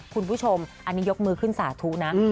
คุณผู้ชมอันนี้ยกมือขึ้นสาธุนะ